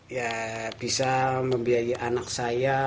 ya bisa membiayai anak saya